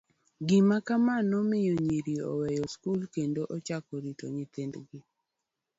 Gima kama nomiyo nyiri oweyo skul kendo ochako rito nyithindgi.